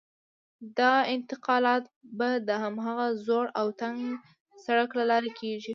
دا انتقالات به د هماغه زوړ او تنګ سړک له لارې کېږي.